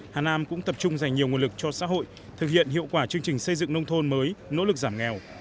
hà nam cũng tập trung dành nhiều nguồn lực cho xã hội thực hiện hiệu quả chương trình xây dựng nông thôn mới nỗ lực giảm nghèo